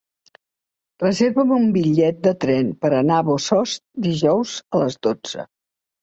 Reserva'm un bitllet de tren per anar a Bossòst dijous a les dotze.